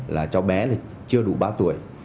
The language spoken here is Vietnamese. là cháu bé chưa đủ ba tuổi